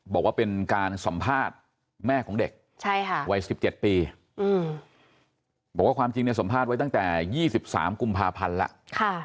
บอกว่าความจริงเนี้ยสัมภาษณ์ไว้ตั้งแต่๒๓กุมภาพันธ์แล้วค่ะ